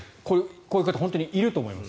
こういう方本当にいると思います。